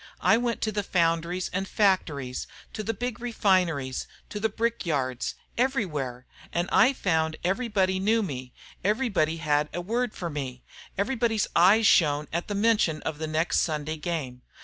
I went to the foundries and factories, to the big refineries, to the brick yards everywhere. And I found everybody knew me; everybody had a word for me; everybody's eyes shone at the mention of the next Sunday game.